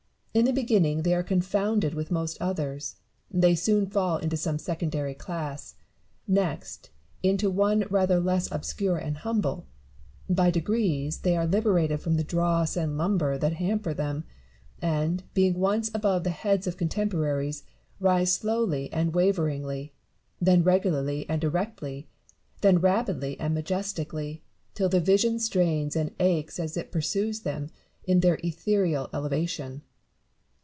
In the beginning they are confounded with most others ; soon they fall into some secondary class ; next, into one rather less obscure and humble ; by degrees they are liber ated from the dross and lumber that hamper them ; and, being once above the heads of contemporaries, rise Blowly and waveringly, then regularly and erectly, then rapidly and majestically, till the vision strains and aches as it pursues them in their ethereal elevation.